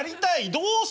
どうするの？